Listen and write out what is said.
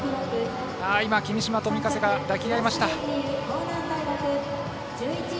今、君嶋と御家瀬が抱き合いました。